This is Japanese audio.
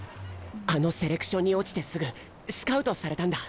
あのセレクションに落ちてすぐスカウトされたんだ。